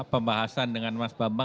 pembahasan dengan mas bama